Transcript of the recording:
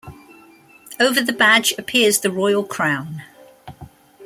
Over the badge appears the Royal Crown.